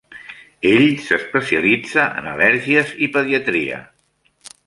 Ell s'especialitza en al·lèrgies i pediatria.